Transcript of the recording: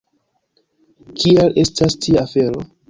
Kial estas tia afero?